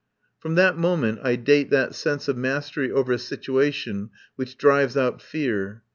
From that moment I date that sense of mastery over a situation which drives out fear.